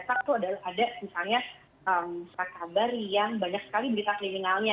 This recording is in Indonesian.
kalau dulu kita lihat misalnya kalau di media cetak itu ada misalnya saat kabar yang banyak sekali berita kriminalnya